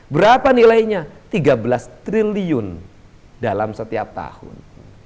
berapa nilainya tiga belas triliun dalam setiap tahun